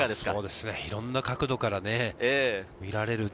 いろんな角度からね、見られる。